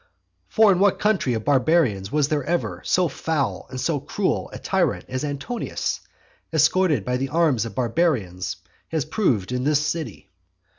For in what country of barbarians was there ever so foul and cruel a tyrant as Antonius, escorted by the arms of barbarians, has proved in this city?